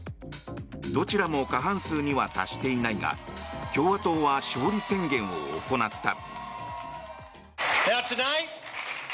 どちらも過半数には達していないが共和党は勝利宣言を行った。